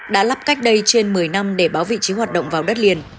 đã lắp cách đây trên một mươi năm để báo vị trí hoạt động vào đất liền